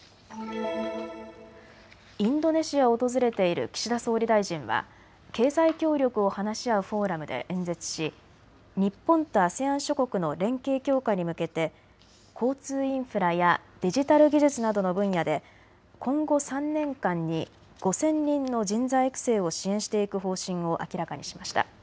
インドネシアを訪れている岸田総理大臣は経済協力を話し合うフォーラムで演説し日本とＡＳＥＡＮ諸国の連携強化に向けて交通インフラやデジタル技術などの分野で今後３年間に５０００人の人材育成を支援していく方針を明らかにしました。